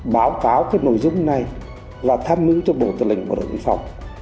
báo cáo cái nội dung này và tham mưu cho bộ tư lệnh của đội huyện phòng